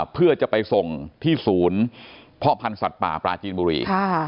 เพื่อจะไปส่งที่ศูนย์พ่อพันธุ์สัตว์ป่าปลาจีนบุรี